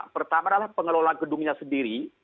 pertama adalah pengelola gedungnya sendiri